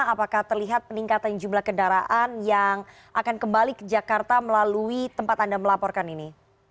apakah terlihat peningkatan jumlah kendaraan yang akan kembali ke jakarta melalui tempat anda melaporkan ini